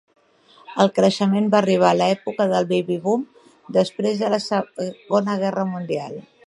El creixement va arribar a l'època del baby-boom després de la Segona Guerra Mundial.